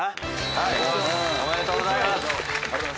ありがとうございます！